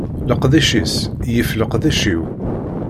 Leqdic-is yif leqdic-iw.